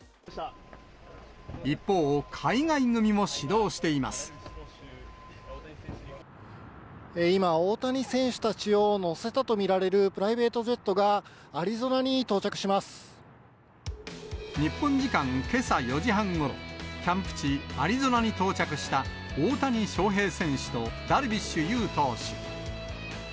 一方、今、大谷選手たちを乗せたと見られるプライベートジェットが、アリゾ日本時間けさ４時半ごろ、キャンプ地、アリゾナに到着した大谷翔平選手とダルビッシュ有投手。